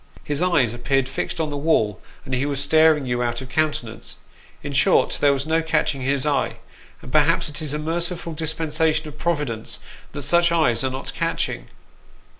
His eyes appeared fixed on the wall, and he was staring you out of countenance ; in short, there was no catching his eye, and perhaps it is a merciful dispensation of Providence that such eyes are not catching.